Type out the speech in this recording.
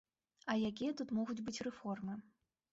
А якія тут могуць быць рэформы?